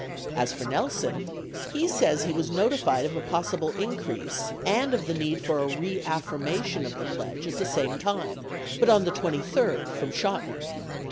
As for Nelson, he says he was notified of a possible increase and of the need for a reaffirmation of the pledge at the same time — but on the 23d, from Chotiner.